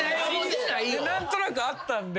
何となくあったんで。